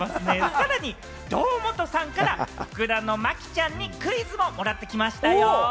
さらに堂本さんから福田の麻貴ちゃんにクイズももらってきましたよ。